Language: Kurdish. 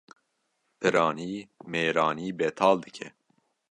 Piranî mêranî betal dike